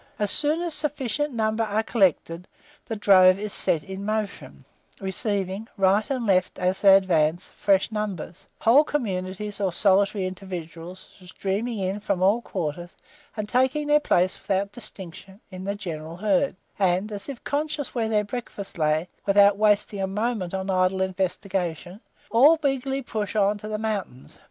As soon as a sufficient number are collected, the drove is set in motion, receiving, right and left, as they advance, fresh numbers; whole communities, or solitary individuals, streaming in from all quarters, and taking their place, without distinction, in the general herd; and, as if conscious where their breakfast lay, without wasting a moment on idle investigation, all eagerly push on to the mountains.